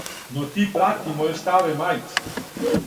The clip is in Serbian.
Но ти прати мојој старој мајци: